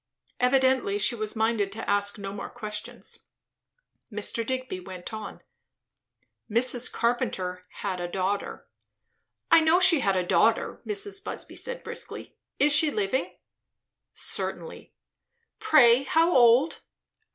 Evidently she was minded to ask no more questions. Mr. Digby went on. "Mrs. Carpenter had a daughter " "I know she had a daughter," Mrs. Busby said briskly. "Is she living?" "Certainly." "Pray, how old?"